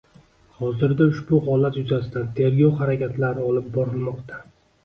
Hozirda ushbu holat yuzasidan tergov harakatlari olib borilmoqda